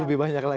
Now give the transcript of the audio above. lebih banyak lagi